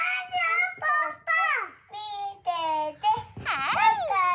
はい！